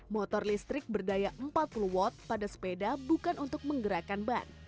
motor listrik berdaya empat puluh watt pada sepeda bukan untuk menggerakkan ban